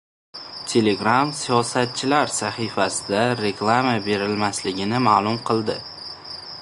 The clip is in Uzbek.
Telegram siyosatchilar sahifasida reklama berilmasligini ma’lum qildi